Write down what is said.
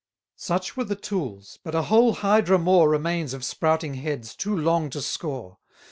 540 Such were the tools: but a whole Hydra more Remains of sprouting heads too long to score.